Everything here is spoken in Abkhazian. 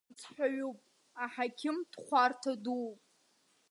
Дымцҳәаҩуп, аҳақьым дхәарҭа дууп.